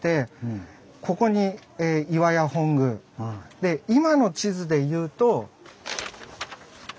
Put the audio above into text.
であと今の地図でいうと。